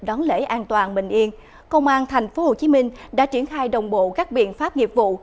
hoàn bằng bình yên công an tp hcm đã triển khai đồng bộ các biện pháp nghiệp vụ